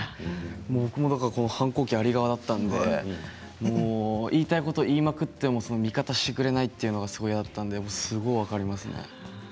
僕は反抗期あり側だったので言いたいこと言いまくって味方してくれないというのがすごくあったのですごい分かりますね。